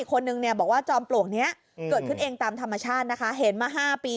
คนนึงเนี่ยบอกว่าจอมปลวกนี้เกิดขึ้นเองตามธรรมชาตินะคะเห็นมา๕ปี